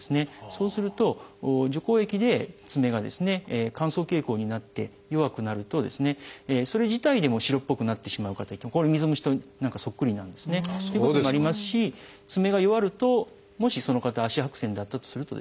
そうすると除光液で爪がですね乾燥傾向になって弱くなるとですねそれ自体でも白っぽくなってしまう方いて水虫と何かそっくりなんですね。っていうこともありますし爪が弱るともしその方足白癬だったとするとですね